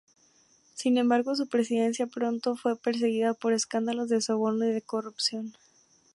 Sin embargo su presidencia pronto fue perseguida por escándalos de soborno y de corrupción.